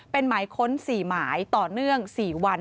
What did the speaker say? เป็นหมายค้น๔หมายต่อเนื่อง๔วัน